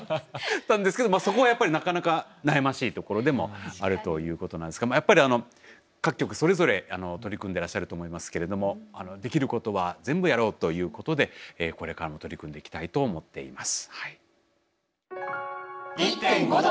そこはやっぱりなかなか悩ましいところでもあるということなんですがやっぱり各局それぞれ取り組んでらっしゃると思いますけれどもできることは全部やろうということでこれからも取り組んでいきたいと思っています。